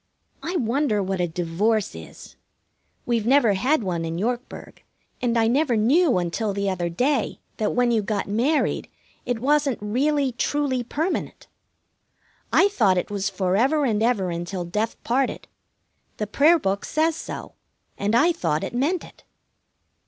I wonder what a divorce is. We've never had one in Yorkburg, and I never knew until the other day that when you got married it wasn't really truly permanent. I thought it was for ever and ever and until death parted. The prayer book says so, and I thought it meant it.